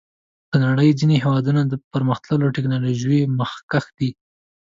د نړۍ ځینې هېوادونه د پرمختللو ټکنالوژیو مخکښ دي.